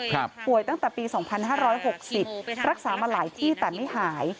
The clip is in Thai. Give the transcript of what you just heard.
ครับป่วยตั้งแต่ปีสองพันห้าร้อยหกสิบรักษามาหลายที่แต่ไม่หาย